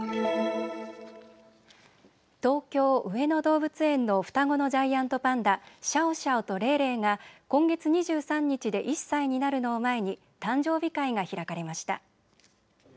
東京・上野動物園の双子のジャイアントパンダ、シャオシャオとレイレイが今月２３日で１歳になるのを前に誕生日会が開かれました。